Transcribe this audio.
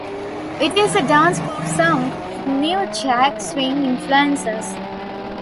It is a dance-pop song with new jack swing influences.